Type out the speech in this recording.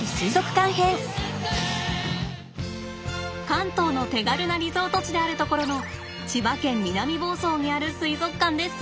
関東の手軽なリゾート地であるところの千葉県南房総にある水族館です